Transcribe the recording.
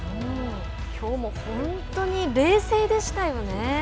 きょうも本当に冷静でしたよね。